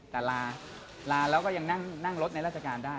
แต่ลาลาแล้วก็ยังนั่งรถในราชการได้